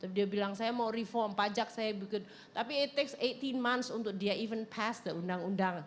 dia bilang saya mau reform pajak saya bikin tapi it takes delapan belas month untuk dia even pass the undang undang